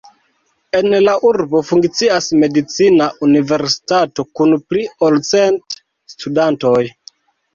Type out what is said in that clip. En la urbo funkcias medicina universitato kun pli ol cent studantoj.